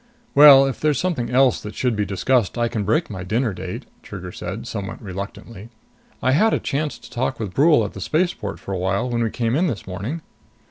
"Well, if there's something else that should be discussed I can break my dinner date," Trigger said, somewhat reluctantly. "I had a chance to talk with Brule at the spaceport for a while, when we came in this morning."